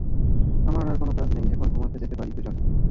আমার আর কোন কাজ নেই, এখন ঘুমাতে যেতে পারি দুজনে।